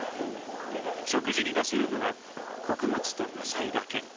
食事に出せるのは穀物と野菜だけ。